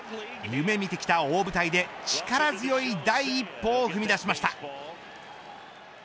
夢見てきた大舞台で力強い第一歩を踏み出しました。